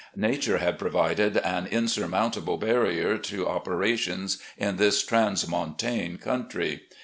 Nature had provided an insurmountable barrier to operations in this transmontane country.